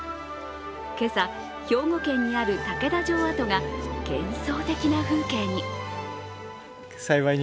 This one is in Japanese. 今朝、兵庫県にある竹田城跡が幻想的な風景に。